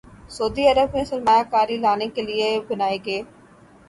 سعودی عرب میں سرمایہ کاری لانے کے لیے بنائے گئے